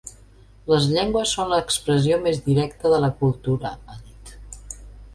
“Les llengües són l’expressió més directa de la cultura”, ha dit.